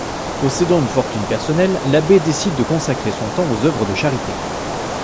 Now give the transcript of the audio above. Possédant une fortune personnelle, l'abbé décide de consacrer son temps aux œuvres de charité.